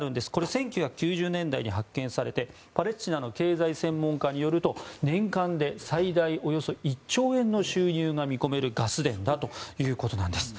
１９９０年代に発見されてパレスチナの経済専門家によると年間で最大およそ１兆円の収入が見込めるガス田だということです。